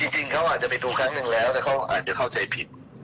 จริงเขาอาจจะไปดูครั้งหนึ่งแล้วแต่เขาอาจจะเข้าใจผิด